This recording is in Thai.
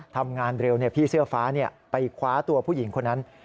ทำงานเร็วพี่เสื้อฟ้าไปคว้าตัวผู้หญิงคนนั้น